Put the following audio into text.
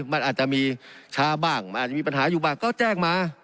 มันอาจจะมีช้าบ้างมันอาจจะมีปัญหาอยู่บ้างก็แจ้งมา